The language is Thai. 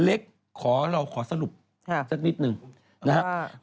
เล็กขอเราขอสรุปสักนิดหนึ่งนะครับ